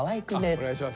あお願いします。